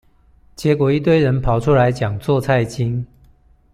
結果一堆人跑出來講做菜經